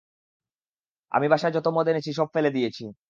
আমি বাসায় যত মদ এনেছি সব ফেলে দিয়েছি।